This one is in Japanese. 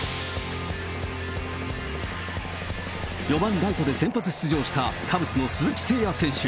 ４番ライトで先発出場したカブスの鈴木誠也選手。